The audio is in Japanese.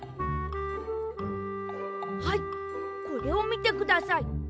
はいこれをみてください。